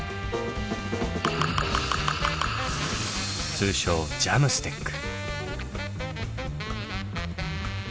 通称ＪＡＭＳＴＥＣ。